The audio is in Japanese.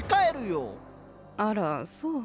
あらそう？